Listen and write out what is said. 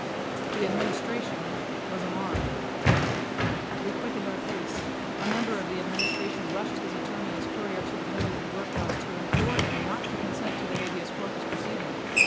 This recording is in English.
The Administration was alarmed. We quickened our pace. A member of the Administration rushed his attorney as courier to the women in the workhouse to implore them not to consent to the habeas corpus proceedings.